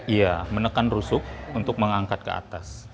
iya menekan rusuk untuk mengangkat ke atas